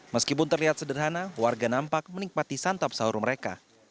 meskipun terlihat sederhana warga nampak menikmati santap sahur mereka